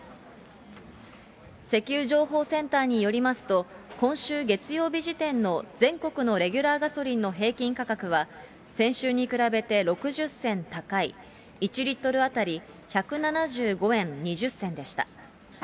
石油情報センターによりますと、今週月曜日時点の全国のレギュラーガソリンの平均価格は、先週に比べて６０銭高い１リットル当たり１７５円２０銭でした。